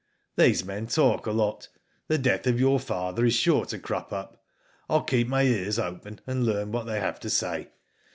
*' These men talk a lot. The death of your father is sure to crop up. I will keep my ears open and learn what they have to say.